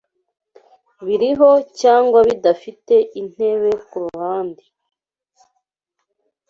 biriho cyangwa bidafite intebe ku ruhande